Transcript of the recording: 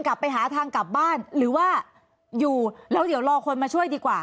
กลับไปหาทางกลับบ้านหรือว่าอยู่แล้วเดี๋ยวรอคนมาช่วยดีกว่า